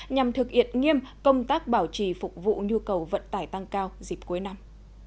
nhằm thực hiện nghiêm công tác bảo trì phục vụ nhu cầu vận tải tăng cao dịp cuối năm